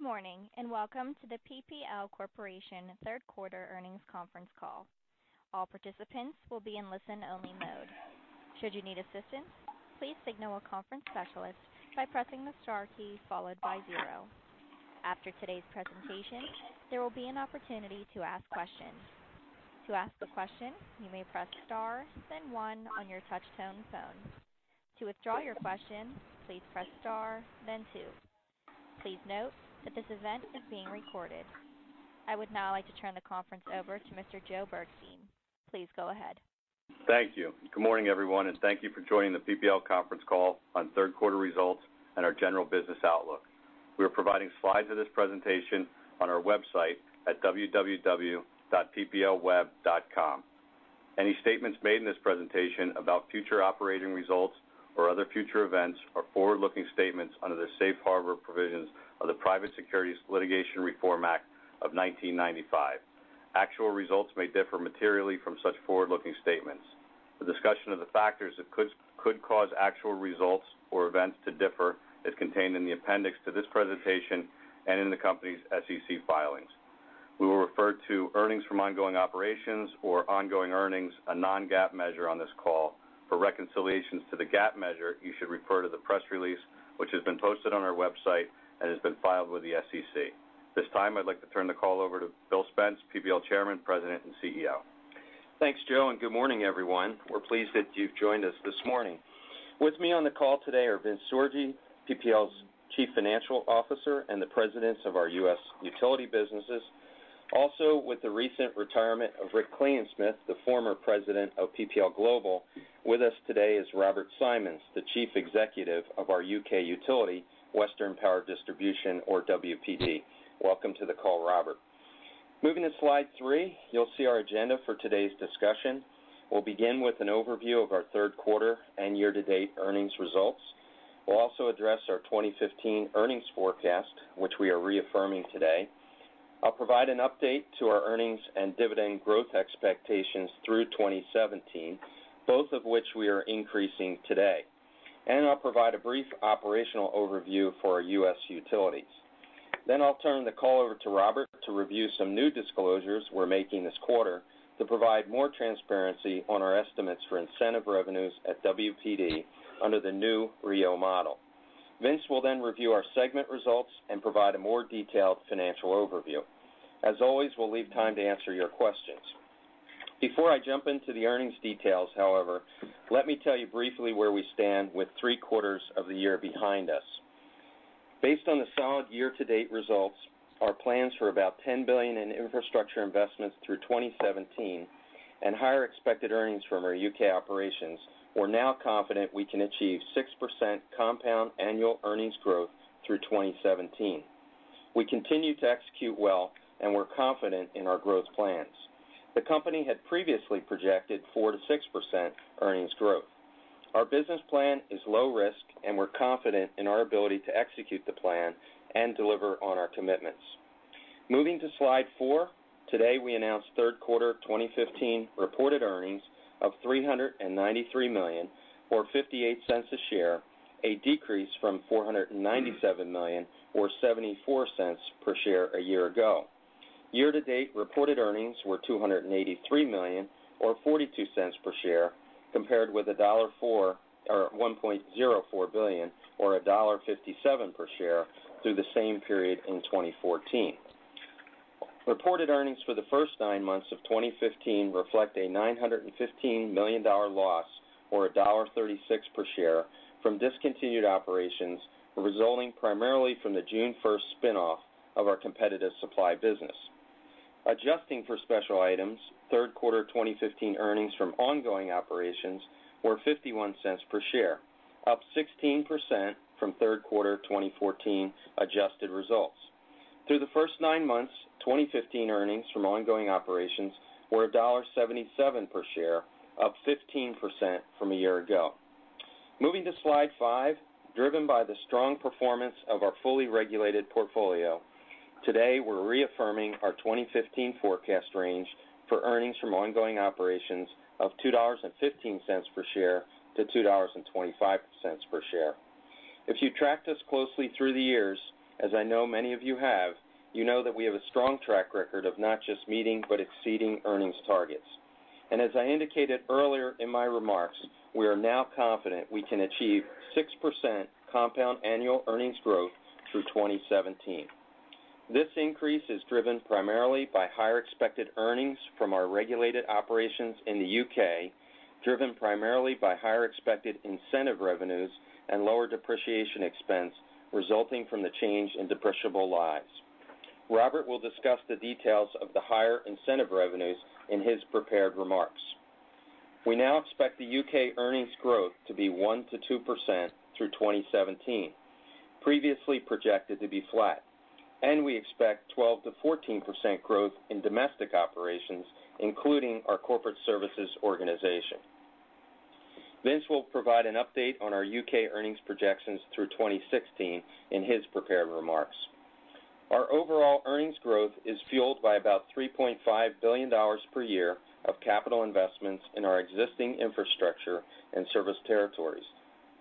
Good morning, and welcome to the PPL Corporation third quarter earnings conference call. All participants will be in listen-only mode. Should you need assistance, please signal a conference specialist by pressing the star key followed by zero. After today's presentation, there will be an opportunity to ask questions. To ask a question, you may press star, then one on your touch-tone phone. To withdraw your question, please press star, then two. Please note that this event is being recorded. I would now like to turn the conference over to Mr. Joe Bergstein. Please go ahead. Thank you. Good morning, everyone, and thank you for joining the PPL conference call on third quarter results and our general business outlook. We are providing slides of this presentation on our website at www.pplweb.com. Any statements made in this presentation about future operating results or other future events are forward-looking statements under the Safe Harbor Provisions of the Private Securities Litigation Reform Act of 1995. Actual results may differ materially from such forward-looking statements. A discussion of the factors that could cause actual results or events to differ is contained in the appendix to this presentation and in the company's SEC filings. We will refer to earnings from ongoing operations or ongoing earnings, a Non-GAAP measure on this call. For reconciliations to the GAAP measure, you should refer to the press release, which has been posted on our website and has been filed with the SEC. This time, I'd like to turn the call over to William H. Spence, PPL Chairman, President, and CEO. Thanks, Joe, and good morning, everyone. We're pleased that you've joined us this morning. With me on the call today are Vince Sorgi, PPL's Chief Financial Officer, and the presidents of our U.S. utility businesses. Also, with the recent retirement of Rick Klingensmith, the former President of PPL Global, with us today is Robert Symons, the Chief Executive of our U.K. utility, Western Power Distribution, or WPD. Welcome to the call, Robert. Moving to slide 3, you'll see our agenda for today's discussion. We'll begin with an overview of our 3rd quarter and year-to-date earnings results. We'll also address our 2015 earnings forecast, which we are reaffirming today. I'll provide an update to our earnings and dividend growth expectations through 2017, both of which we are increasing today. I'll provide a brief operational overview for our U.S. utilities. I'll turn the call over to Robert to review some new disclosures we're making this quarter to provide more transparency on our estimates for incentive revenues at WPD under the new RIIO model. Vince will then review our segment results and provide a more detailed financial overview. As always, we'll leave time to answer your questions. Before I jump into the earnings details, however, let me tell you briefly where we stand with 3 quarters of the year behind us. Based on the solid year-to-date results, our plans for about $10 billion in infrastructure investments through 2017 and higher expected earnings from our U.K. operations, we're now confident we can achieve 6% compound annual earnings growth through 2017. We continue to execute well, and we're confident in our growth plans. The company had previously projected 4%-6% earnings growth. Our business plan is low risk, and we're confident in our ability to execute the plan and deliver on our commitments. Moving to slide 4. Today, we announced third quarter 2015 reported earnings of $393 million, or $0.58 a share, a decrease from $497 million or $0.74 per share a year ago. Year-to-date reported earnings were $283 million or $0.42 per share, compared with $1.04 or $1.04 billion or $1.57 per share through the same period in 2014. Reported earnings for the first nine months of 2015 reflect a $915 million loss or a $1.36 per share from discontinued operations, resulting primarily from the June first spinoff of our competitive supply business. Adjusting for special items, third quarter 2015 earnings from ongoing operations were $0.51 per share, up 16% from third quarter 2014 adjusted results. Through the first nine months, 2015 earnings from ongoing operations were $1.77 per share, up 15% from a year ago. Moving to slide 5. Driven by the strong performance of our fully regulated portfolio, today we're reaffirming our 2015 forecast range for earnings from ongoing operations of $2.15 per share to $2.25 per share. If you tracked us closely through the years, as I know many of you have, you know that we have a strong track record of not just meeting but exceeding earnings targets. As I indicated earlier in my remarks, we are now confident we can achieve 6% compound annual earnings growth through 2017. This increase is driven primarily by higher expected earnings from our regulated operations in the U.K., driven primarily by higher expected incentive revenues and lower depreciation expense resulting from the change in depreciable lives. Robert will discuss the details of the higher incentive revenues in his prepared remarks. We now expect the U.K. earnings growth to be 1%-2% through 2017, previously projected to be flat. We expect 12%-14% growth in domestic operations, including our corporate services organization. Vince will provide an update on our U.K. earnings projections through 2016 in his prepared remarks. Our overall earnings growth is fueled by about $3.5 billion per year of capital investments in our existing infrastructure and service territories.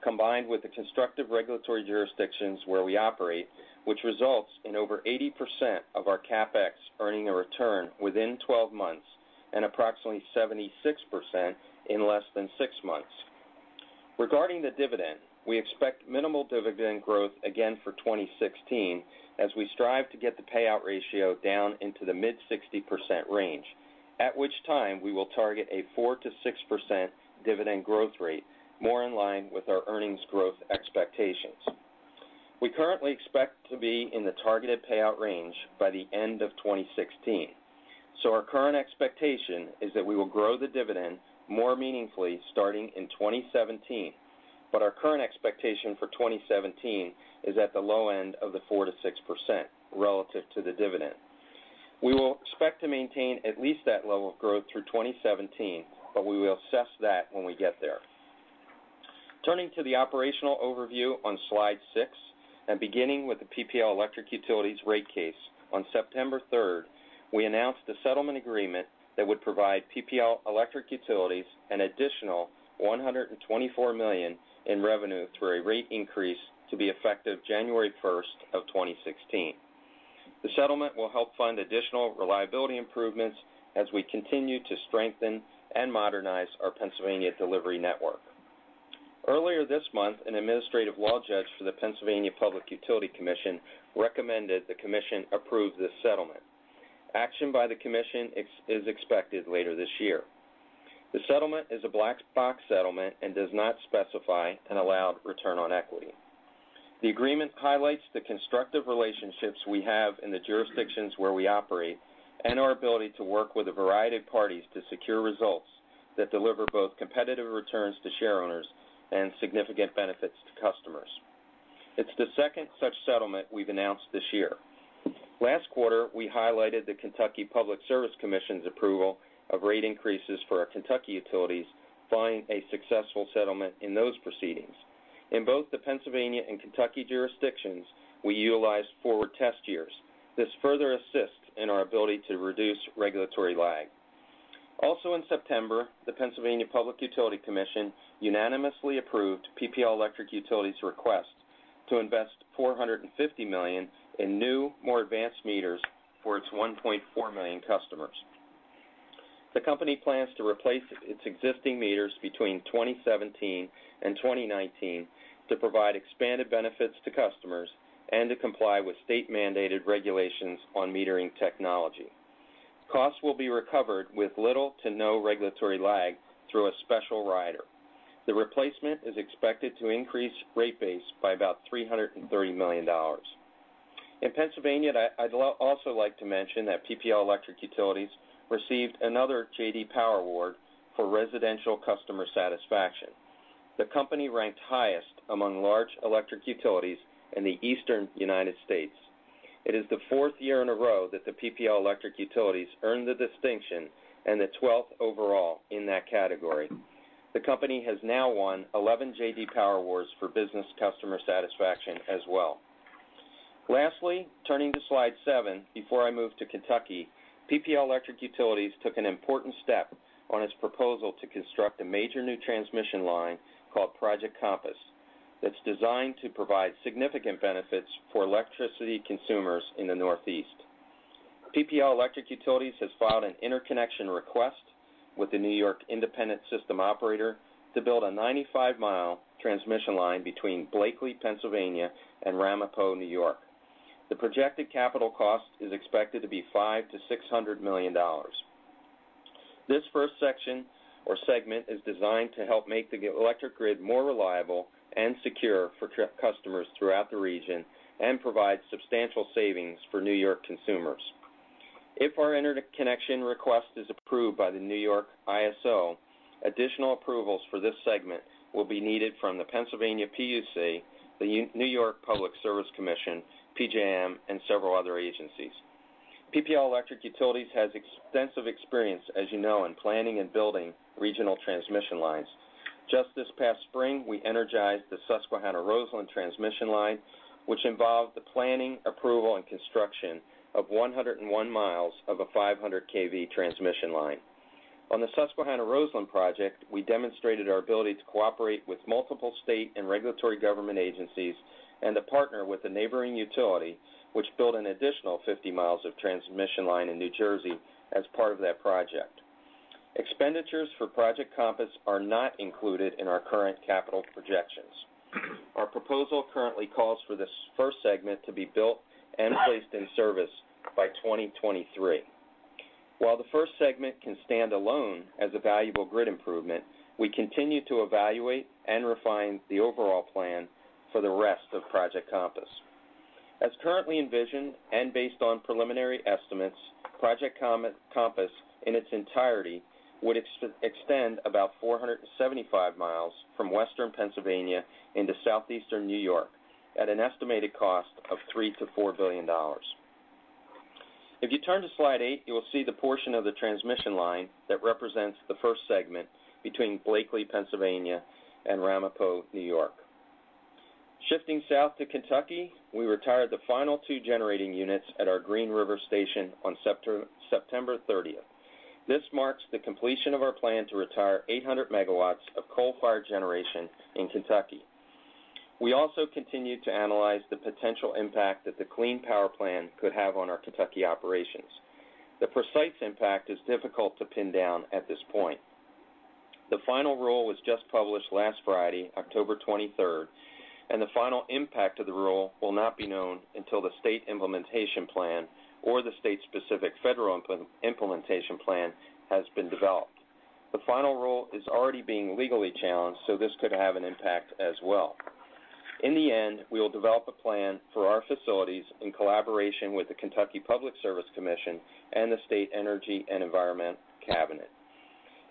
Combined with the constructive regulatory jurisdictions where we operate, which results in over 80% of our CapEx earning a return within 12 months and approximately 76% in less than 6 months. Regarding the dividend, we expect minimal dividend growth again for 2016 as we strive to get the payout ratio down into the mid 60% range, at which time we will target a 4%-6% dividend growth rate more in line with our earnings growth expectations. We currently expect to be in the targeted payout range by the end of 2016. Our current expectation is that we will grow the dividend more meaningfully starting in 2017, but our current expectation for 2017 is at the low end of the 4%-6% relative to the dividend. We will expect to maintain at least that level of growth through 2017, but we will assess that when we get there. Turning to the operational overview on Slide 6 and beginning with the PPL Electric Utilities rate case, on September 3rd, we announced a settlement agreement that would provide PPL Electric Utilities an additional $124 million in revenue through a rate increase to be effective January 1st of 2016. The settlement will help fund additional reliability improvements as we continue to strengthen and modernize our Pennsylvania delivery network. Earlier this month, an administrative law judge for the Pennsylvania Public Utility Commission recommended the commission approve this settlement. Action by the commission is expected later this year. The settlement is a black box settlement and does not specify an allowed return on equity. The agreement highlights the constructive relationships we have in the jurisdictions where we operate and our ability to work with a variety of parties to secure results that deliver both competitive returns to shareowners and significant benefits to customers. It's the second such settlement we've announced this year. Last quarter, we highlighted the Kentucky Public Service Commission's approval of rate increases for our Kentucky utilities following a successful settlement in those proceedings. In both the Pennsylvania and Kentucky jurisdictions, we utilized forward test years. This further assists in our ability to reduce regulatory lag. Also in September, the Pennsylvania Public Utility Commission unanimously approved PPL Electric Utilities' request to invest $450 million in new, more advanced meters for its 1.4 million customers. The company plans to replace its existing meters between 2017 and 2019 to provide expanded benefits to customers and to comply with state-mandated regulations on metering technology. Costs will be recovered with little to no regulatory lag through a special rider. The replacement is expected to increase rate base by about $330 million. In Pennsylvania, I'd also like to mention that PPL Electric Utilities received another J.D. Power Award for residential customer satisfaction. The company ranked highest among large electric utilities in the Eastern U.S. It is the 4th year in a row that the PPL Electric Utilities earned the distinction and the 12th overall in that category. The company has now won 11 J.D. Power Awards for business customer satisfaction as well. Lastly, turning to Slide 7 before I move to Kentucky, PPL Electric Utilities took an important step on its proposal to construct a major new transmission line called Project Compass that's designed to provide significant benefits for electricity consumers in the Northeast. PPL Electric Utilities has filed an interconnection request with the New York Independent System Operator to build a 95 mile transmission line between Blakely, Pennsylvania, and Ramapo, New York. The projected capital cost is expected to be $500 million-$600 million. This first section or segment is designed to help make the electric grid more reliable and secure for customers throughout the region and provide substantial savings for New York consumers. If our interconnection request is approved by the New York ISO, additional approvals for this segment will be needed from the Pennsylvania PUC, the New York Public Service Commission, PJM, and several other agencies. PPL Electric Utilities has extensive experience, as you know, in planning and building regional transmission lines. Just this past spring, we energized the Susquehanna-Roseland transmission line, which involved the planning, approval, and construction of 101 miles of a 500 kV transmission line. On the Susquehanna-Roseland project, we demonstrated our ability to cooperate with multiple state and regulatory government agencies and to partner with the neighboring utility, which built an additional 50 miles of transmission line in New Jersey as part of that project. Expenditures for Project Compass are not included in our current capital projections. Our proposal currently calls for this first segment to be built and placed in service by 2023. While the first segment can stand alone as a valuable grid improvement, we continue to evaluate and refine the overall plan for the rest of Project Compass. As currently envisioned and based on preliminary estimates, Project Compass, in its entirety, would extend about 475 miles from Western Pennsylvania into Southeastern New York at an estimated cost of $3 billion-$4 billion. If you turn to Slide 8, you will see the portion of the transmission line that represents the first segment between Blakely, Pennsylvania, and Ramapo, New York. Shifting south to Kentucky, we retired the final two generating units at our Green River Station on September 30th. This marks the completion of our plan to retire 800 MW of coal-fired generation in Kentucky. We also continued to analyze the potential impact that the Clean Power Plan could have on our Kentucky operations. The precise impact is difficult to pin down at this point. The final rule was just published last Friday, October 23rd, and the final impact of the rule will not be known until the state implementation plan or the state-specific federal implementation plan has been developed. The final rule is already being legally challenged, so this could have an impact as well. In the end, we will develop a plan for our facilities in collaboration with the Kentucky Public Service Commission and the Kentucky Energy and Environment Cabinet.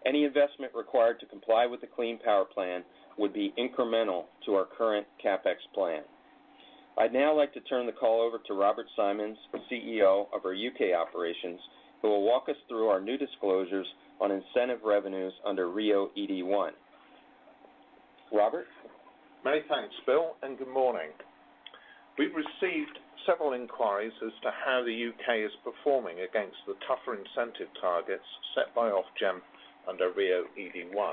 Any investment required to comply with the Clean Power Plan would be incremental to our current CapEx plan. I'd now like to turn the call over to Robert Symons, CEO of our U.K. operations, who will walk us through our new disclosures on incentive revenues under RIIO-ED1. Robert? Many thanks, Bill, and good morning. We've received several inquiries as to how the U.K. is performing against the tougher incentive targets set by Ofgem under RIIO-ED1.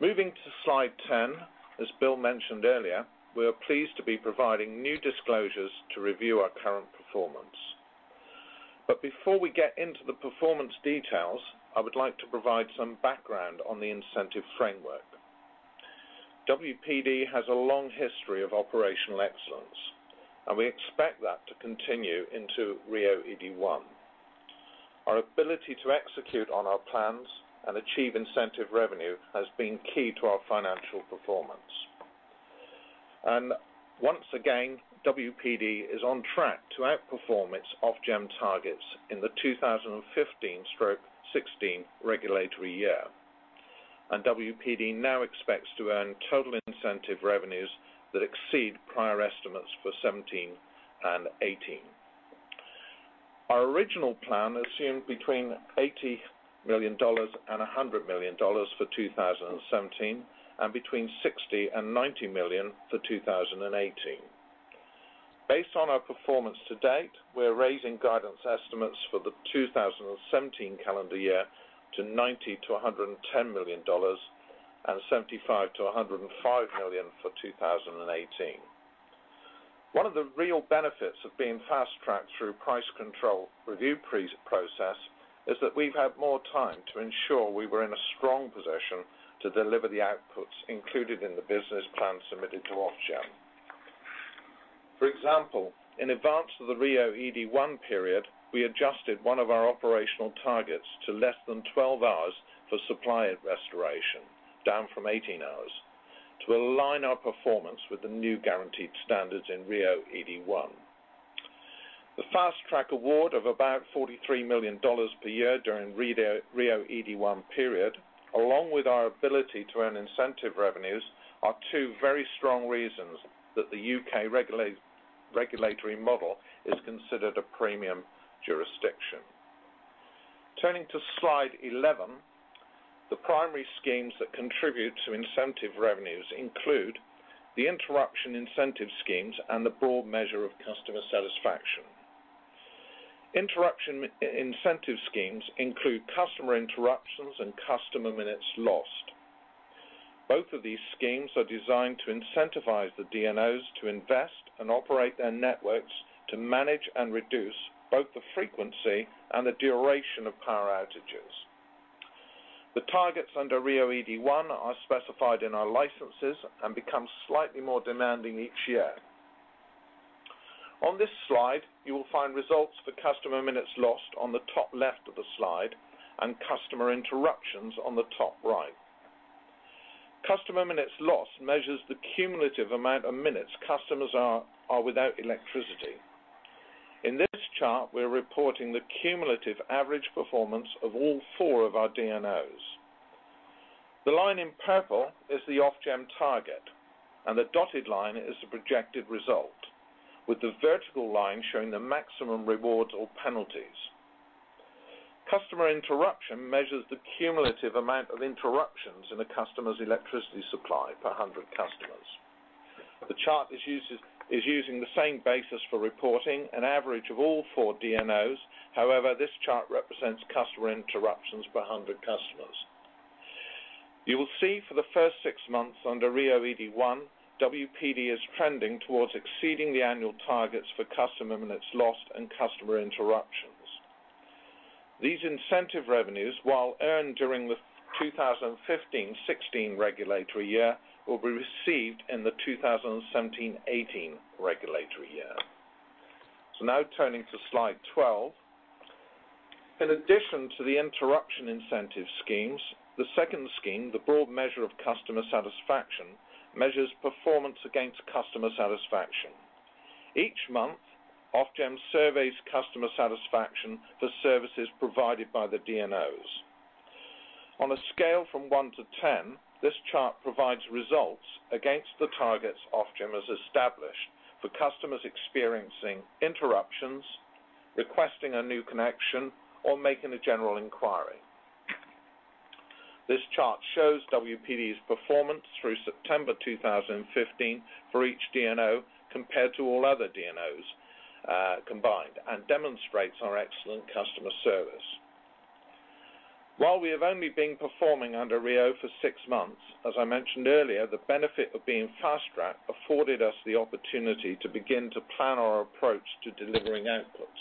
Moving to slide 10, as Bill mentioned earlier, we are pleased to be providing new disclosures to review our current performance. Before we get into the performance details, I would like to provide some background on the incentive framework. WPD has a long history of operational excellence, and we expect that to continue into RIIO-ED1. Our ability to execute on our plans and achieve incentive revenue has been key to our financial performance. Once again, WPD is on track to outperform its Ofgem targets in the 2015/16 regulatory year. WPD now expects to earn total incentive revenues that exceed prior estimates for 2017 and 2018. Our original plan assumed between $80 million and $100 million for 2017, and between $60 million and $90 million for 2018. Based on our performance to date, we're raising guidance estimates for the 2017 calendar year to $90 million-$110 million, and $75 million to $105 million for 2018. One of the real benefits of being fast-tracked through price control review process is that we've had more time to ensure we were in a strong position to deliver the outputs included in the business plan submitted to Ofgem. For example, in advance of the RIIO-ED1 period, we adjusted one of our operational targets to less than 12 hours for supply and restoration, down from 18 hours, to align our performance with the new guaranteed standards in RIIO-ED1. The fast-track award of about $43 million per year during RIIO-ED1 period, along with our ability to earn incentive revenues, are two very strong reasons that the U.K. regulatory model is considered a premium jurisdiction. Turning to slide 11, the primary schemes that contribute to incentive revenues include the interruption incentive schemes and the broad measure of customer satisfaction. Interruption incentive schemes include customer interruptions and customer minutes lost. Both of these schemes are designed to incentivize the DNOs to invest and operate their networks to manage and reduce both the frequency and the duration of power outages. The targets under RIIO-ED1 are specified in our licenses and become slightly more demanding each year. On this slide, you will find results for customer minutes lost on the top left of the slide and customer interruptions on the top right. Customer minutes lost measures the cumulative amount of minutes customers are without electricity. In this chart, we're reporting the cumulative average performance of all four of our DNOs. The line in purple is the Ofgem target, and the dotted line is the projected result, with the vertical line showing the maximum rewards or penalties. Customer interruption measures the cumulative amount of interruptions in a customer's electricity supply per 100 customers. The chart is using the same basis for reporting, an average of all four DNOs. However, this chart represents customer interruptions per 100 customers. You will see for the first six months under RIIO-ED1, WPD is trending towards exceeding the annual targets for customer minutes lost and customer interruptions. These incentive revenues, while earned during the 2015-2016 regulatory year, will be received in the 2017-2018 regulatory year. Now turning to slide 12. In addition to the interruption incentive schemes, the second scheme, the broad measure of customer satisfaction, measures performance against customer satisfaction. Each month, Ofgem surveys customer satisfaction for services provided by the DNOs. On a scale from 1 to 10, this chart provides results against the targets Ofgem has established for customers experiencing interruptions, requesting a new connection, or making a general inquiry. This chart shows WPD's performance through September 2015 for each DNO compared to all other DNOs combined, and demonstrates our excellent customer service. While we have only been performing under RIIO for 6 months, as I mentioned earlier, the benefit of being fast-tracked afforded us the opportunity to begin to plan our approach to delivering outputs.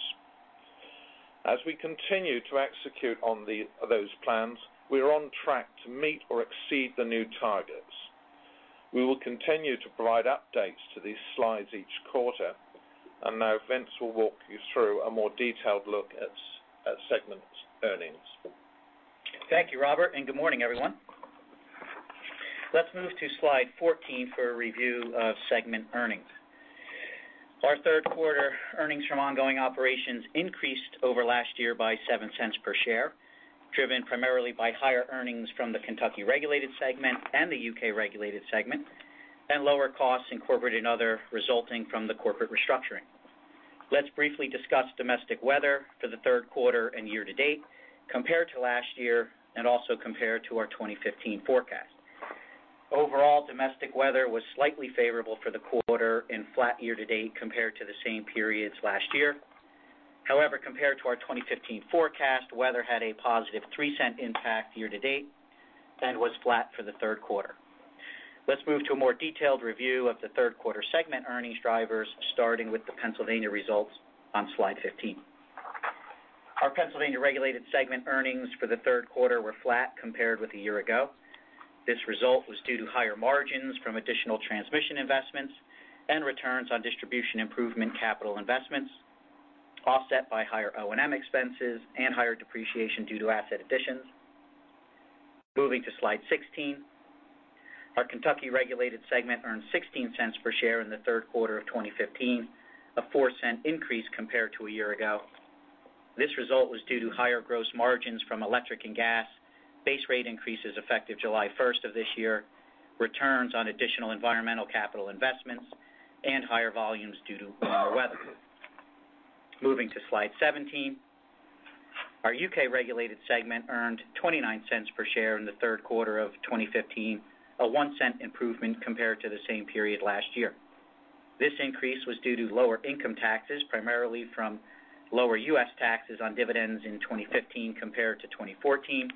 As we continue to execute on those plans, we are on track to meet or exceed the new targets. We will continue to provide updates to these slides each quarter. Now Vince will walk you through a more detailed look at segment earnings. Thank you, Robert, and good morning, everyone. Let's move to slide 14 for a review of segment earnings. Our third quarter earnings from ongoing operations increased over last year by $0.07 per share, driven primarily by higher earnings from the Kentucky Regulated segment and the U.K. Regulated segment, and lower costs in Corporate and Other resulting from the corporate restructuring. Let's briefly discuss domestic weather for the third quarter and year-to-date compared to last year and also compared to our 2015 forecast. Overall, domestic weather was slightly favorable for the quarter and flat year-to-date compared to the same periods last year. However, compared to our 2015 forecast, weather had a positive $0.03 impact year-to-date and was flat for the third quarter. Let's move to a more detailed review of the third quarter segment earnings drivers, starting with the Pennsylvania results on slide 15. Our Pennsylvania Regulated segment earnings for the third quarter were flat compared with a year ago. This result was due to higher margins from additional transmission investments and returns on distribution improvement capital investments, offset by higher O&M expenses and higher depreciation due to asset additions. Moving to slide 16. Our Kentucky Regulated segment earned $0.16 per share in the third quarter of 2015, a $0.04 increase compared to a year ago. This result was due to higher gross margins from electric and gas, base rate increases effective July 1st of this year, returns on additional environmental capital investments, and higher volumes due to warmer weather. Moving to slide 17. Our U.K. Regulated segment earned $0.29 per share in the third quarter of 2015, a $0.01 improvement compared to the same period last year. This increase was due to lower income taxes, primarily from lower U.S. taxes on dividends in 2015 compared to 2014,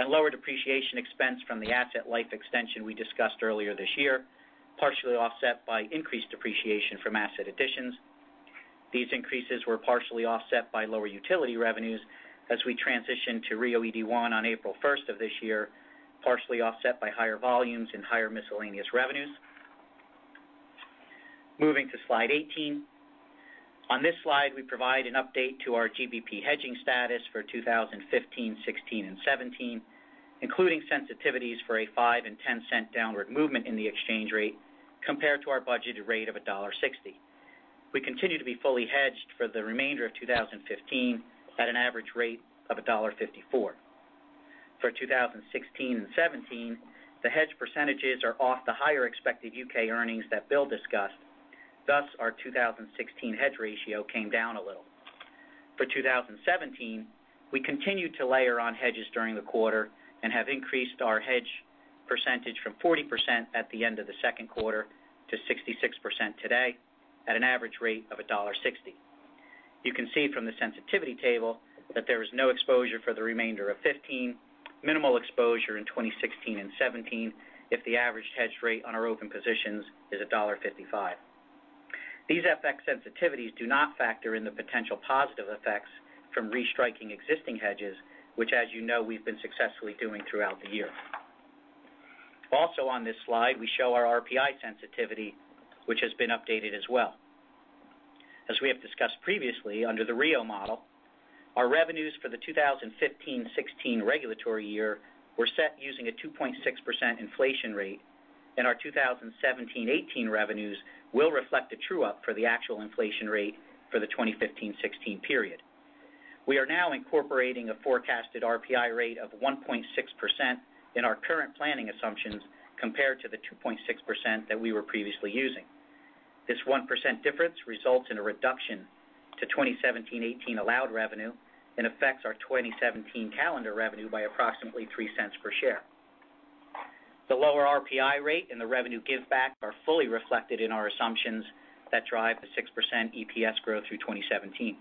and lower depreciation expense from the asset life extension we discussed earlier this year, partially offset by increased depreciation from asset additions. These increases were partially offset by lower utility revenues as we transitioned to RIIO-ED1 on April 1st of this year, partially offset by higher volumes and higher miscellaneous revenues. Moving to slide 18. On this slide, we provide an update to our GBP hedging status for 2015, 2016, and 2017, including sensitivities for a $0.05 and $0.10 downward movement in the exchange rate compared to our budgeted rate of $1.60. We continue to be fully hedged for the remainder of 2015 at an average rate of $1.54. For 2016 and 2017, the hedge percentages are off the higher expected U.K. earnings that Bill discussed, thus our 2016 hedge ratio came down a little. For 2017, we continued to layer on hedges during the quarter and have increased our hedge percentage from 40% at the end of the second quarter to 66% today at an average rate of $1.60. You can see from the sensitivity table that there is no exposure for the remainder of 2015, minimal exposure in 2016 and 2017 if the average hedge rate on our open positions is $1.55. These FX sensitivities do not factor in the potential positive effects from restriking existing hedges, which as you know, we've been successfully doing throughout the year. Also on this slide, we show our RPI sensitivity, which has been updated as well. As we have discussed previously, under the RIIO model, our revenues for the 2015-2016 regulatory year were set using a 2.6% inflation rate, and our 2017-2018 revenues will reflect a true up for the actual inflation rate for the 2015-2016 period. We are now incorporating a forecasted RPI rate of 1.6% in our current planning assumptions compared to the 2.6% that we were previously using. This 1% difference results in a reduction to 2017-2018 allowed revenue and affects our 2017 calendar revenue by approximately $0.03 per share. The lower RPI rate and the revenue give back are fully reflected in our assumptions that drive the 6% EPS growth through 2017.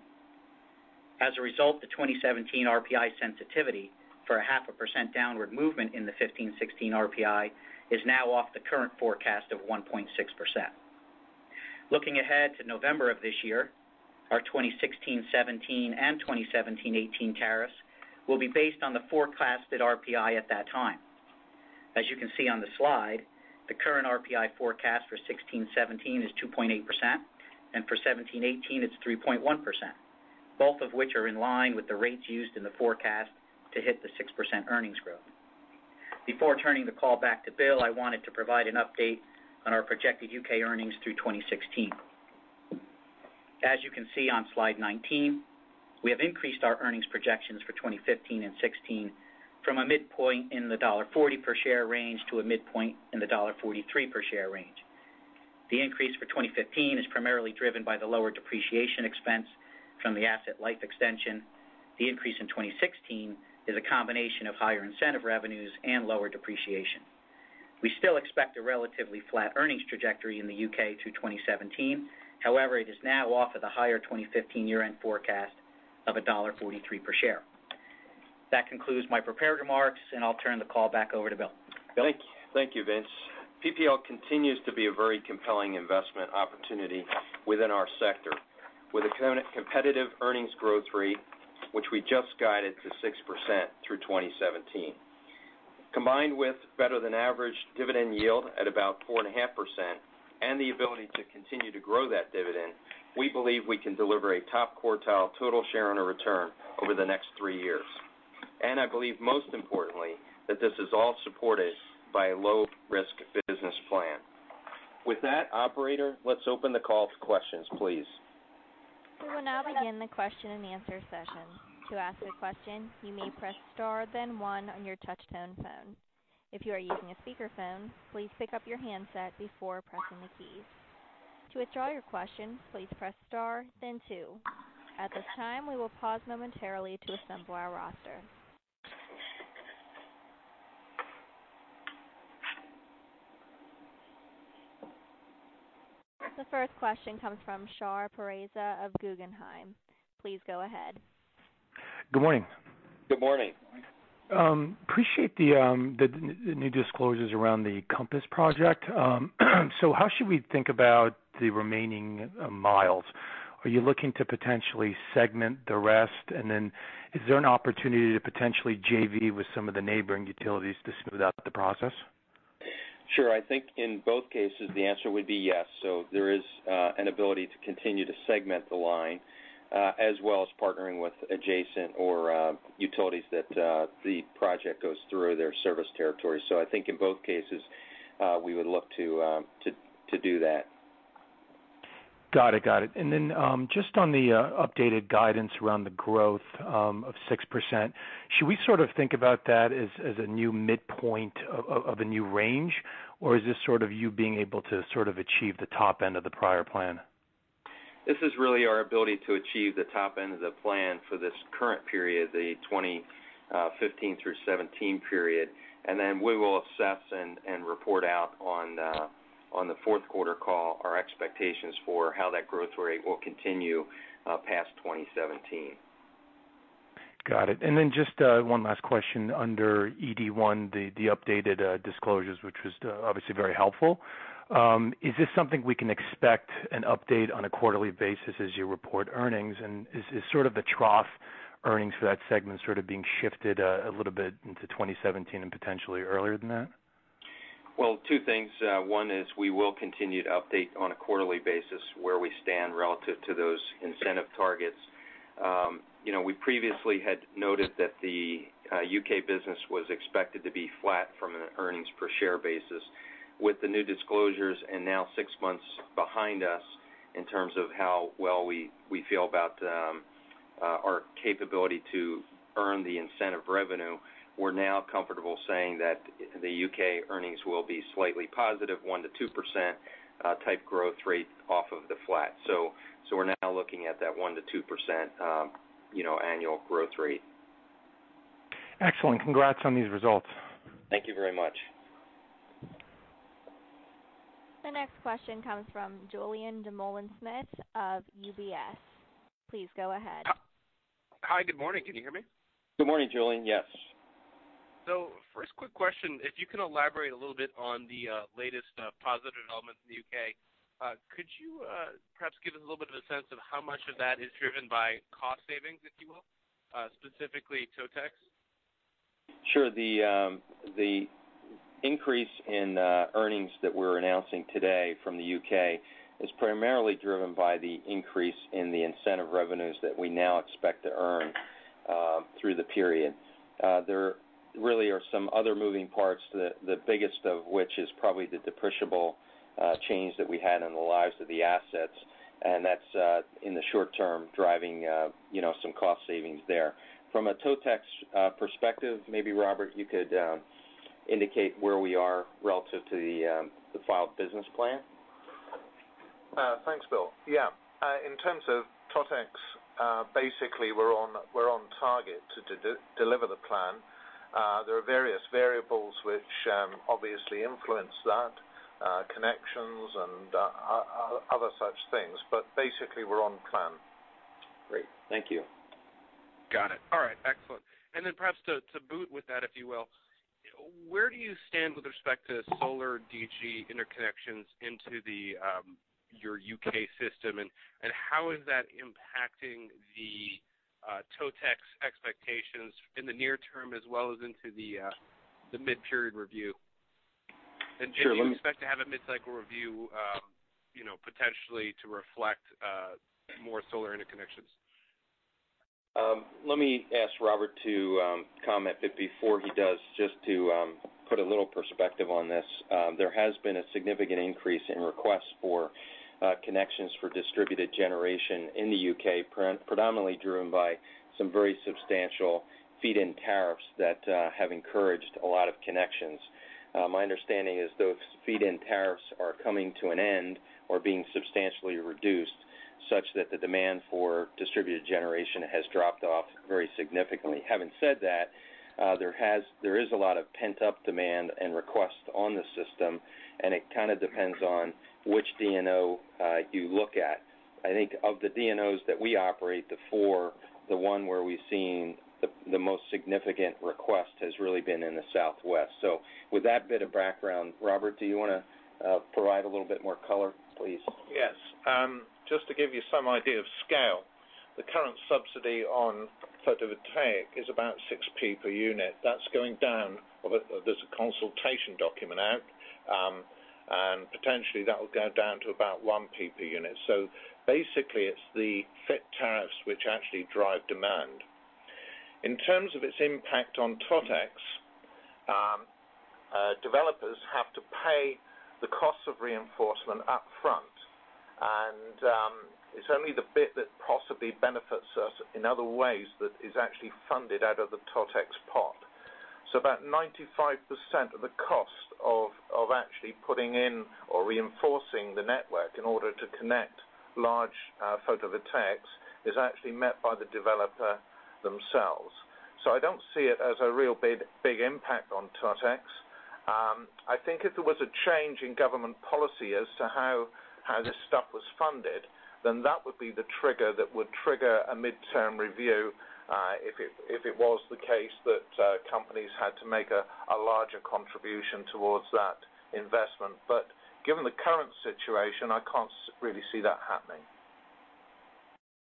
As a result, the 2017 RPI sensitivity for a half a percent downward movement in the 2015-2016 RPI is now off the current forecast of 1.6%. Looking ahead to November of this year, our 2016-2017 and 2017-2018 tariffs will be based on the forecasted RPI at that time. As you can see on the slide, the current RPI forecast for 2016-2017 is 2.8%, and for 2017-2018 it's 3.1%, both of which are in line with the rates used in the forecast to hit the 6% earnings growth. Before turning the call back to Bill, I wanted to provide an update on our projected U.K. earnings through 2016. As you can see on slide 19, we have increased our earnings projections for 2015 and 2016 from a midpoint in the $1.40 per share range to a midpoint in the $1.43 per share range. The increase for 2015 is primarily driven by the lower depreciation expense from the asset life extension. The increase in 2016 is a combination of higher incentive revenues and lower depreciation. We still expect a relatively flat earnings trajectory in the U.K. through 2017. It is now off of the higher 2015 year-end forecast of a $1.43 per share. That concludes my prepared remarks, and I'll turn the call back over to Bill. Bill? Thank you, Vince. PPL continues to be a very compelling investment opportunity within our sector. With a competitive earnings growth rate, which we just guided to 6% through 2017. Combined with better than average dividend yield at about 4.5%, and the ability to continue to grow that dividend, we believe we can deliver a top quartile total shareowner return over the next three years. I believe most importantly, that this is all supported by a low-risk business plan. With that, operator, let's open the call to questions, please. We will now begin the question and answer session. To ask a question, you may press Star, then 1 on your touchtone phone. If you are using a speakerphone, please pick up your handset before pressing the keys. To withdraw your question, please press Star, then 2. At this time, we will pause momentarily to assemble our roster. The first question comes from Shahriar Pourreza of Guggenheim. Please go ahead. Good morning. Good morning. Appreciate the new disclosures around the Compass Project. How should we think about the remaining miles? Are you looking to potentially segment the rest? Is there an opportunity to potentially JV with some of the neighboring utilities to smooth out the process? Sure. I think in both cases the answer would be yes. There is an ability to continue to segment the line, as well as partnering with adjacent or utilities that the project goes through their service territory. I think in both cases, we would look to do that. Got it. Got it. Just on the updated guidance around the growth of 6%, should we sort of think about that as a new midpoint of a new range? Or is this sort of you being able to sort of achieve the top end of the prior plan? This is really our ability to achieve the top end of the plan for this current period, the 2015 through 2017 period. Then we will assess and report out on the fourth quarter call our expectations for how that growth rate will continue past 2017. Got it. Just one last question under ED1, the updated disclosures, which was obviously very helpful. Is this something we can expect an update on a quarterly basis as you report earnings? Is sort of the trough earnings for that segment sort of being shifted a little bit into 2017 and potentially earlier than that? Well, two things. One is we will continue to update on a quarterly basis where we stand relative to those incentive targets. You know, we previously had noted that the U.K. business was expected to be flat from an EPS basis. With the new disclosures and now six months behind us in terms of how well we feel about our capability to earn the incentive revenue, we're now comfortable saying that the U.K. earnings will be slightly positive, 1%-2% type growth rate off of the flat. We're now looking at that 1%-2%, you know, annual growth rate. Excellent. Congrats on these results. Thank you very much. The next question comes from Julien Dumoulin-Smith of UBS. Please go ahead. Hi, good morning. Can you hear me? Good morning, Julien. Yes. First quick question, if you can elaborate a little bit on the latest positive development in the U.K. Could you perhaps give us a little bit of a sense of how much of that is driven by cost savings, if you will, specifically Totex? Sure. The increase in earnings that we're announcing today from the U.K. is primarily driven by the increase in the incentive revenues that we now expect to earn through the period. There really are some other moving parts, the biggest of which is probably the depreciable change that we had in the lives of the assets, and that's in the short term driving, you know, some cost savings there. From a Totex perspective, maybe Robert, you could indicate where we are relative to the filed business plan. Thanks, Bill. Yeah. In terms of Totex, basically we're on target to deliver the plan. There are various variables which obviously influence that, connections and other such things, but basically we're on plan. Great. Thank you. Got it. All right. Excellent. Perhaps to boot with that, if you will, where do you stand with respect to solar DG interconnections into your U.K. system, and how is that impacting the Totex expectations in the near term as well as into the mid-period review? Sure. Do you expect to have a mid-cycle review, you know, potentially to reflect more solar interconnections? Let me ask Robert to comment. Before he does, just to put a little perspective on this, there has been a significant increase in requests for connections for distributed generation in the U.K., predominantly driven by some very substantial feed-in tariffs that have encouraged a lot of connections. My understanding is those feed-in tariffs are coming to an end or being substantially reduced. Such that the demand for distributed generation has dropped off very significantly. Having said that, there is a lot of pent-up demand and requests on the system, and it kind of depends on which DNO you look at. I think of the DNOs that we operate, the 4, the one where we've seen the most significant request has really been in the Southwest. With that bit of background, Robert, do you wanna provide a little bit more color, please? Yes. Just to give you some idea of scale, the current subsidy on photovoltaic is about 0.06 per unit. That's going down. Well, there's a consultation document out, and potentially that will go down to about 0.01 per unit. Basically it's the FIT tariffs which actually drive demand. In terms of its impact on Totex, developers have to pay the cost of reinforcement up front. It's only the bit that possibly benefits us in other ways that is actually funded out of the Totex pot. About 95% of the cost of actually putting in or reinforcing the network in order to connect large, photovoltaics is actually met by the developer themselves. I don't see it as a real big impact on Totex. I think if there was a change in government policy as to how this stuff was funded, that would be the trigger that would trigger a midterm review, if it was the case that companies had to make a larger contribution towards that investment. Given the current situation, I can't really see that happening.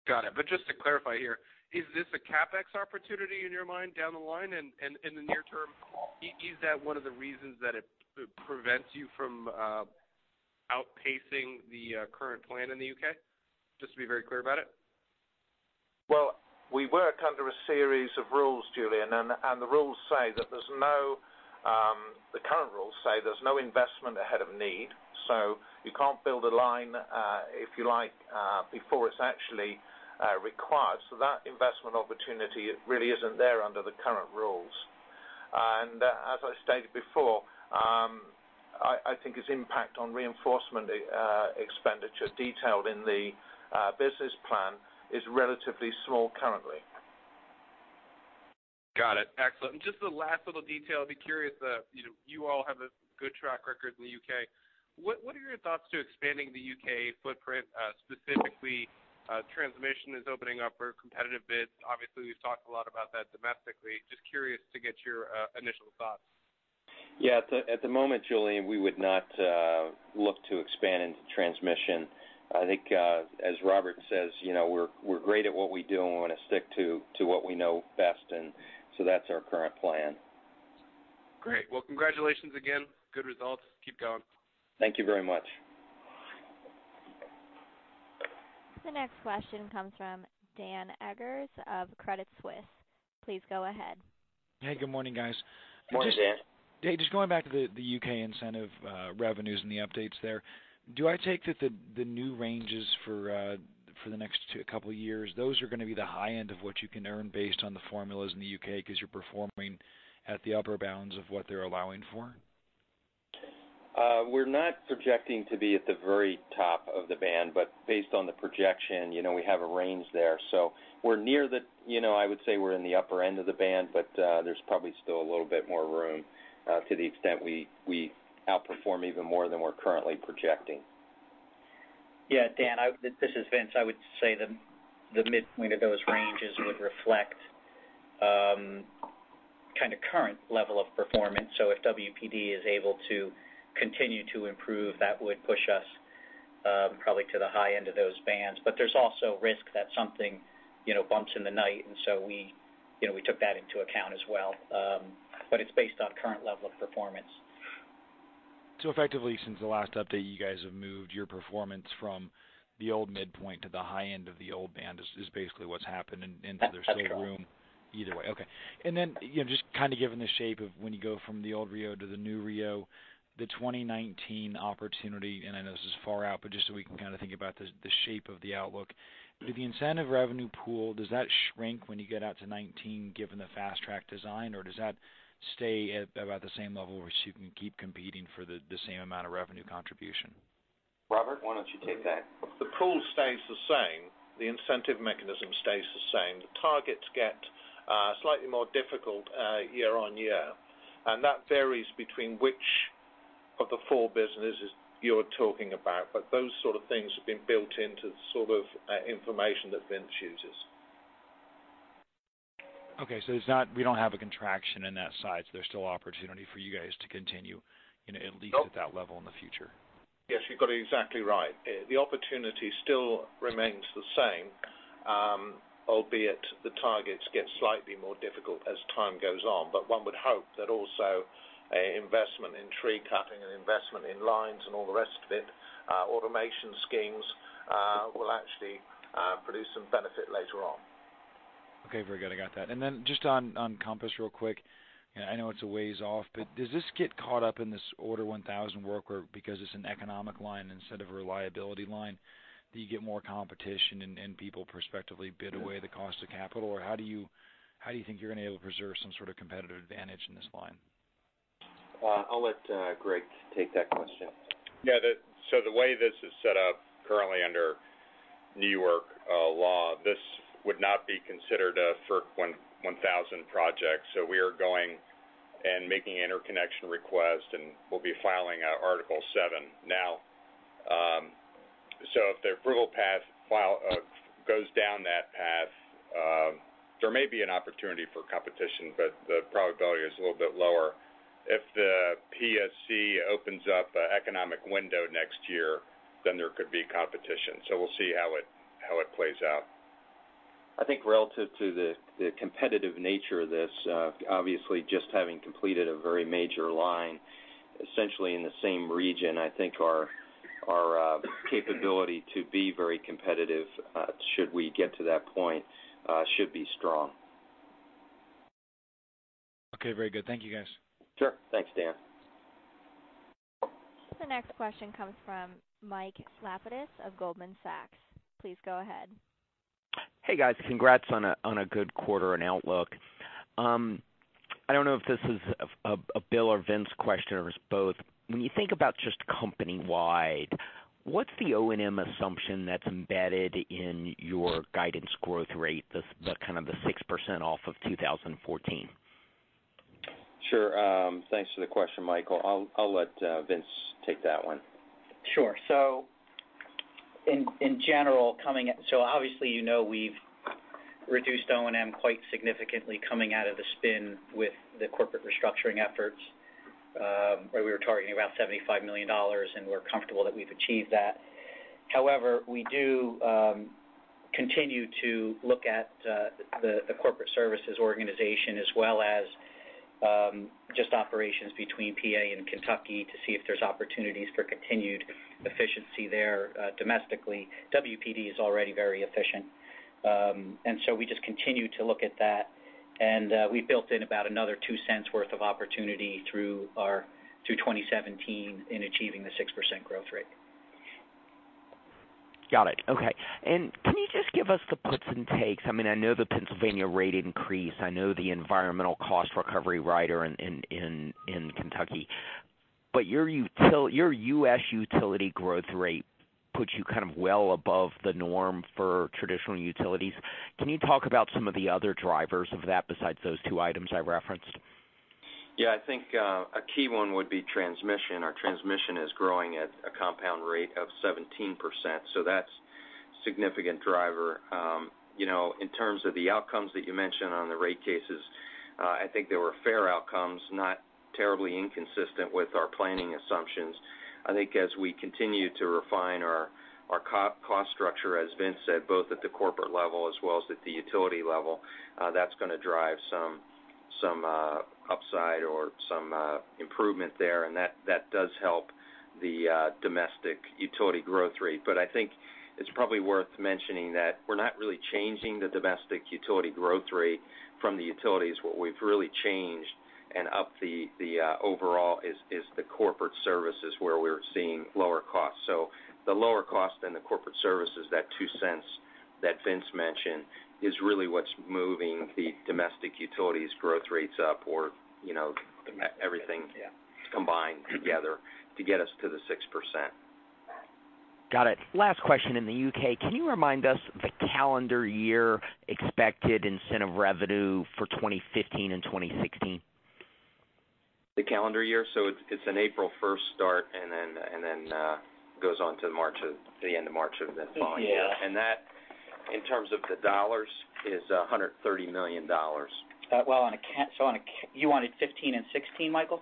Got it. Just to clarify here, is this a CapEx opportunity in your mind down the line? In the near term, is that one of the reasons that it prevents you from outpacing the current plan in the U.K.? Just to be very clear about it. We work under a series of rules, Julien, and the rules say that there's no, the current rules say there's no investment ahead of need. You can't build a line, if you like, before it's actually required. That investment opportunity really isn't there under the current rules. As I stated before, I think its impact on reinforcement, expenditure detailed in the business plan is relatively small currently. Got it. Excellent. Just the last little detail. I'd be curious, you know, you all have a good track record in the U.K. What are your thoughts to expanding the U.K. footprint, specifically, transmission is opening up for competitive bids? Obviously, we've talked a lot about that domestically. Just curious to get your initial thoughts. Yeah. At the moment, Julien, we would not look to expand into transmission. I think, as Robert says, you know, we're great at what we do, and we wanna stick to what we know best. So that's our current plan. Great. Well, congratulations again. Good results. Keep going. Thank you very much. The next question comes from Daniel Eggers of Credit Suisse. Please go ahead. Hey, good morning, guys. Morning, Dan. Hey, just going back to the U.K. incentive revenues and the updates there, do I take that the new ranges for the next two couple of years, those are gonna be the high end of what you can earn based on the formulas in the U.K. because you're performing at the upper bounds of what they're allowing for? We're not projecting to be at the very top of the band. Based on the projection, you know, we have a range there. We're near the, you know, I would say we're in the upper end of the band, but there's probably still a little bit more room to the extent we outperform even more than we're currently projecting. Daniel Eggers, this is Vincent Sorgi. I would say the midpoint of those ranges would reflect kind of current level of performance. If WPD is able to continue to improve, that would push us probably to the high end of those bands. There's also risk that something, you know, bumps in the night, we, you know, we took that into account as well. It's based on current level of performance. Effectively, since the last update, you guys have moved your performance from the old midpoint to the high end of the old band is basically what's happened. That's right. There's still room either way. Okay. Then, you know, just kind of given the shape of when you go from the old RIIO to the new RIIO, the 2019 opportunity, and I know this is far out, but just so we can kind of think about the shape of the outlook. Does the incentive revenue pool shrink when you get out to 19 given the fast track design, or does that stay at about the same level where so you can keep competing for the same amount of revenue contribution? Robert, why don't you take that? The pool stays the same. The incentive mechanism stays the same. The targets get slightly more difficult year on year. That varies between which of the 4 businesses you're talking about. Those sort of things have been built into the sort of information that Vince uses. It's not, we don't have a contraction in that size. There's still opportunity for you guys to continue, you know. No at that level in the future. Yes, you've got it exactly right. The opportunity still remains the same, albeit the targets get slightly more difficult as time goes on. One would hope that also an investment in tree cutting and investment in lines and all the rest of it, automation schemes, will actually produce some benefit later on. Okay. Very good. I got that. Just on Compass real quick. You know, I know it's a ways off, does this get caught up in this Order 1000 work where because it's an economic line instead of a reliability line, do you get more competition and people prospectively bid away the cost of capital? How do you, how do you think you're gonna be able to preserve some sort of competitive advantage in this line? I'll let Greg take that question. Yeah, the way this is set up currently under New York law, this would not be considered a FERC Order 1000 project. We are going and making interconnection request, and we'll be filing Article VII now. If the approval path goes down that path, there may be an opportunity for competition, but the probability is a little bit lower. If the PSC opens up a economic window next year, there could be competition. We'll see how it plays out. I think relative to the competitive nature of this, obviously just having completed a very major line, essentially in the same region, I think our capability to be very competitive, should we get to that point, should be strong. Okay. Very good. Thank you, guys. Sure. Thanks, Dan. The next question comes from Michael Lapides of Goldman Sachs. Please go ahead. Hey, guys. Congrats on a good quarter and outlook. I don't know if this is a Bill or Vince question or is both. When you think about just company-wide, what's the O&M assumption that's embedded in your guidance growth rate, the kind of the 6% off of 2014? Sure. Thanks for the question, Michael. I'll let Vince take that one. Sure. In general, obviously, you know we've reduced O&M quite significantly coming out of the spin with the corporate restructuring efforts, where we were targeting about $75 million, and we're comfortable that we've achieved that. However, we do continue to look at the corporate services organization as well as just operations between PA and Kentucky to see if there's opportunities for continued efficiency there domestically. WPD is already very efficient. We just continue to look at that. We built in about another $0.02 worth of opportunity through our, through 2017 in achieving the 6% growth rate. Got it. Okay. Can you just give us the puts and takes? I mean, I know the Pennsylvania rate increase. I know the environmental cost recovery rider in Kentucky. Your U.S. utility growth rate puts you kind of well above the norm for traditional utilities. Can you talk about some of the other drivers of that besides those two items I referenced? I think a key one would be transmission. Our transmission is growing at a compound rate of 17%, that's significant driver. You know, in terms of the outcomes that you mentioned on the rate cases, I think there were fair outcomes, not terribly inconsistent with our planning assumptions. I think as we continue to refine our co-cost structure, as Vince said, both at the corporate level as well as at the utility level, that's gonna drive some upside or some improvement there, and that does help the domestic utility growth rate. I think it's probably worth mentioning that we're not really changing the domestic utility growth rate from the utilities. What we've really changed and upped the overall is the corporate services where we're seeing lower costs. The lower cost in the corporate services, that $0.02 that Vince mentioned, is really what's moving the domestic utilities growth rates up or, you know, everything. Yeah. combined together to get us to the 6%. Got it. Last question in the U.K. Can you remind us the calendar year expected incentive revenue for 2015 and 2016? The calendar year, so it's an April first start and then goes on to the end of March of the following year. Yeah. That, in terms of the dollars, is $130 million. Well, you wanted 15 and 16, Michael?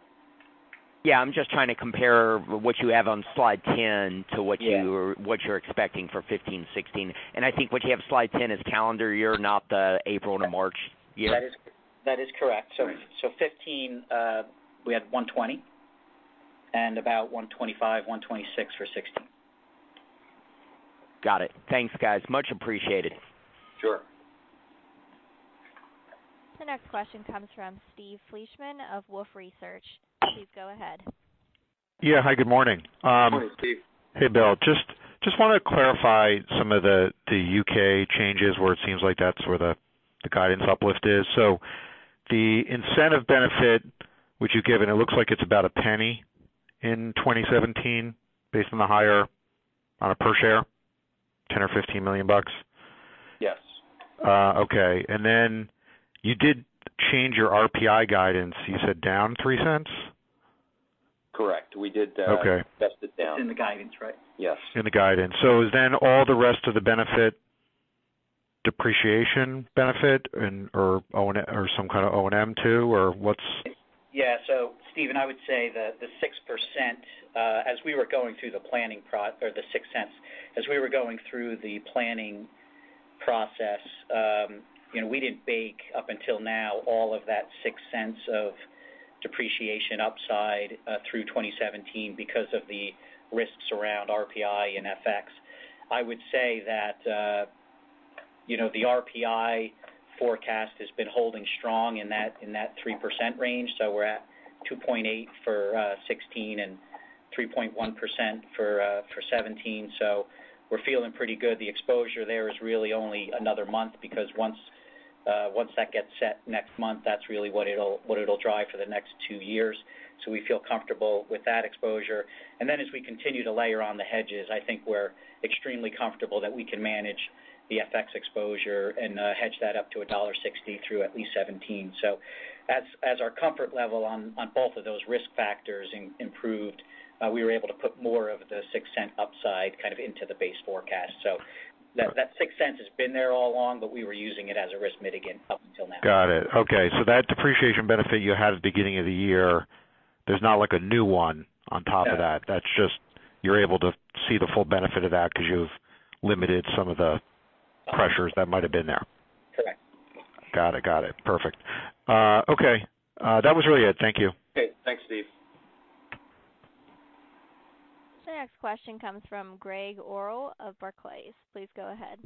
Yeah. I'm just trying to compare what you have on slide 10. Yeah. -what you're expecting for 15/16. I think what you have slide 10 is calendar year, not the April to March year. That is correct. Fifteen, we had $120, and about $125, $126 for 16. Got it. Thanks, guys. Much appreciated. Sure. The next question comes from Steve Fleishman of Wolfe Research. Please go ahead. Yeah. Hi, good morning. Morning, Steve. Hey, Will. Just wanna clarify some of the U.K. changes where it seems like that's where the guidance uplift is. The incentive benefit which you've given, it looks like it's about $0.01 in 2017 based on the higher on a per share, $10 million-$15 million. Yes. Okay. You did change your RPI guidance, you said down $0.03? Correct. We did. Okay. adjust it down. It's in the guidance, right? Yes. In the guidance. Is all the rest of the benefit depreciation benefit and/or O&M or some kind of O&M too, or what's? Yeah. Steve Fleishman, I would say the 6%, as we were going through the planning process, you know, we didn't bake up until now all of that $0.06 of depreciation upside through 2017 because of the risks around RPI and FX. I would say that, you know, the RPI forecast has been holding strong in that 3% range. We're at 2.8 for 2016 and 3.1% for 2017. We're feeling pretty good. The exposure there is really only another month because once that gets set next month, that's really what it'll drive for the next 2 years. We feel comfortable with that exposure. As we continue to layer on the hedges, I think we're extremely comfortable that we can manage the FX exposure and hedge that up to $1.60 through at least 2017. As our comfort level on both of those risk factors improved, we were able to put more of the $0.06 upside kind of into the base forecast. That $0.06 has been there all along, but we were using it as a risk mitigant up until now. Got it. Okay. That depreciation benefit you had at the beginning of the year, there's not like a new one on top of that. No. That's just, you're able to see the full benefit of that 'cause you've limited some of the pressures that might have been there. Correct. Got it. Perfect. Okay. That was really it. Thank you. Okay. Thanks, Steve. The next question comes from Greg Gordon of Barclays. Please go ahead.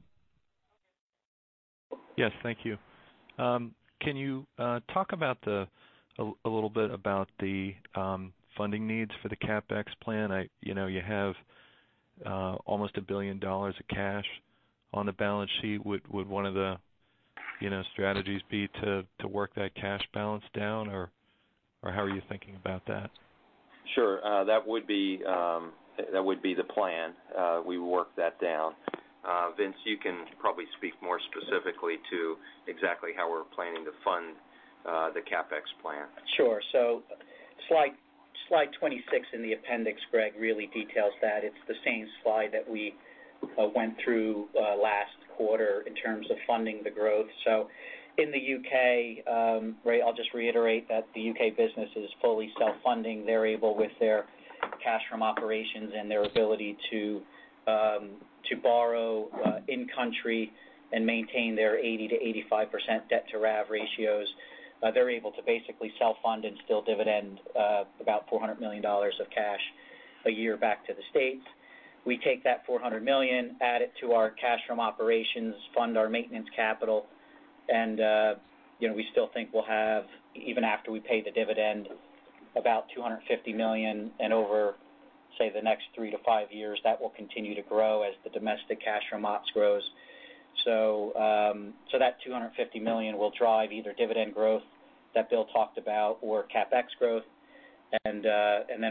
Yes, thank you. Can you talk a little bit about the funding needs for the CapEx plan? You know, you have almost $1 billion of cash on the balance sheet. Would one of the, you know, strategies be to work that cash balance down or how are you thinking about that? Sure. That would be the plan. We work that down. Vince, you can probably speak more specifically to exactly how we're planning to fund the CapEx plan. Sure. Slide, slide 26 in the appendix, Greg Gordon, really details that. It's the same slide that we went through last quarter in terms of funding the growth. In the U.K., Greg Gordon, I'll just reiterate that the U.K. business is fully self-funding. They're able with their cash from operations and their ability to borrow in country and maintain their 80%-85% debt to RAV ratios. They're able to basically self-fund and still dividend about $400 million of cash a year back to the U.S. We take that $400 million, add it to our cash from operations, fund our maintenance capital, and, you know, we still think we'll have, even after we pay the dividend, about $250 million. Over, say, the next 3 to 5 years, that will continue to grow as the domestic cash from ops grows. That $250 million will drive either dividend growth that Bill talked about or CapEx growth.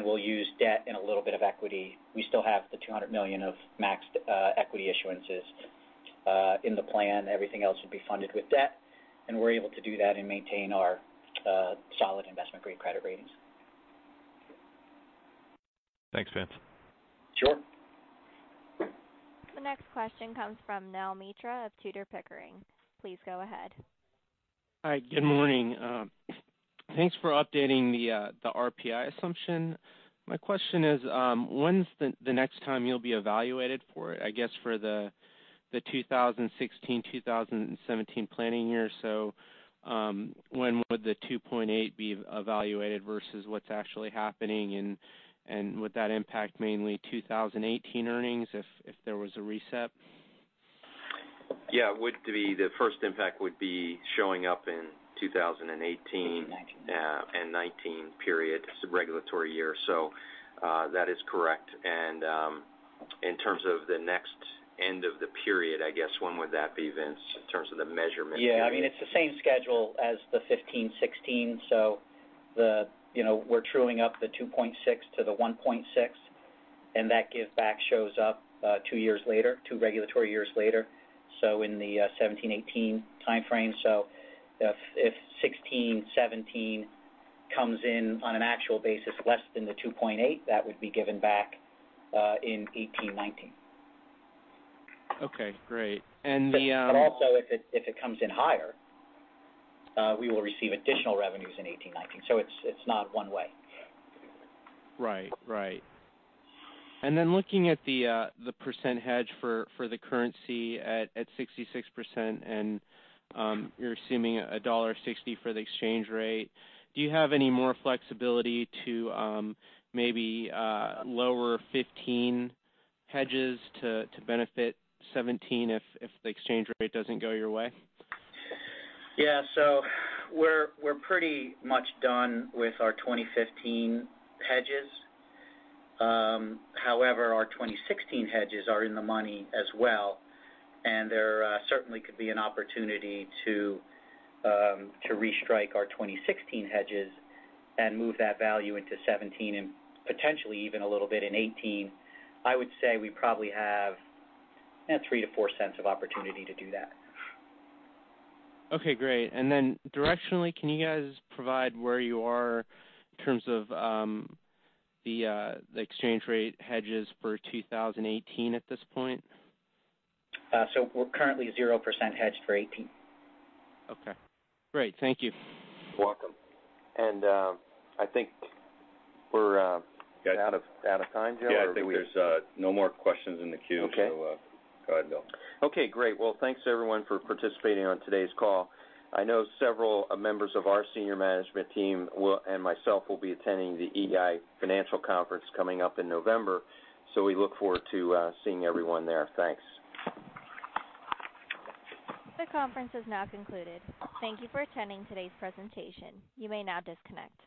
We'll use debt and a little bit of equity. We still have the $200 million of maxed equity issuances in the plan. Everything else would be funded with debt. We're able to do that and maintain our solid investment-grade credit ratings. Thanks, Vince. Sure. The next question comes from Neil Mehta of Tudor, Pickering. Please go ahead. Hi, good morning. Thanks for updating the RPI assumption. My question is, when's the next time you'll be evaluated for it? I guess for the 2016, 2017 planning year. When would the 2.8 be evaluated versus what's actually happening? And would that impact mainly 2018 earnings if there was a reset? Yeah. The first impact would be showing up in 2018. 2018, 2019. 2019-period regulatory year. That is correct. In terms of the next end of the period, I guess, when would that be, Vince, in terms of the measurement period? Yeah. I mean, it's the same schedule as the 2015, 2016. You know, we're truing up the $2.6 to the $1.6, and that giveback shows up 2 years later, 2 regulatory years later, in the 2017, 2018 timeframe. If 2016, 2017 comes in on an actual basis less than the $2.8, that would be given back in 2018, 2019. Okay, great. Also if it comes in higher, we will receive additional revenues in 2018, 2019. It's not one way. Right. Right. Looking at the percent hedge for the currency at 66% and you're assuming $1.60 for the exchange rate, do you have any more flexibility to maybe lower 15 hedges to benefit 17 if the exchange rate doesn't go your way? We're pretty much done with our 2015 hedges. However, our 2016 hedges are in the money as well, and there certainly could be an opportunity to restrike our 2016 hedges and move that value into 2017 and potentially even a little bit in 2018. I would say we probably have $0.03-$0.04 of opportunity to do that. Okay, great. Directionally, can you guys provide where you are in terms of the exchange rate hedges for 2018 at this point? We're currently 0% hedged for 2018. Okay, great. Thank you. You're welcome. I think we're out of time, Joe. Yeah, I think there's no more questions in the queue. Okay. Go ahead, Bill. Okay, great. Well, thanks everyone for participating on today's call. I know several members of our senior management team and myself will be attending the EEI Financial Conference coming up in November, we look forward to seeing everyone there. Thanks. This conference has now concluded. Thank you for attending today's presentation. You may now disconnect.